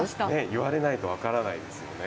言われないと分からないですよね。